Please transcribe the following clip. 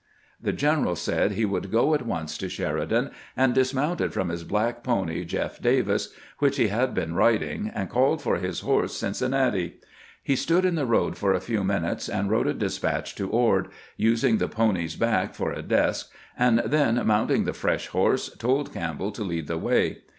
The general said he would go at once to Sheridan, and dismounted from his black pony " Jeff Davis," which he had been riding, and called for his horse " Cincinnati." GRANT MAKES A NIGHT MAECH TO REACH SHERIDAN 455 He stood in the road for a few minutes, and wrote a despatch, to Ord, using the pony's back for a desk, and then, mounting the fresh horse, told Campbell to lead the way.